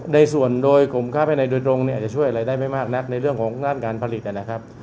ในส่วนโดยกลุ่มค่าภายในโดยตรงเนี่ยอาจจะช่วยอะไรได้ไม่มากนักในเรื่องของด้านการผลิตนะครับ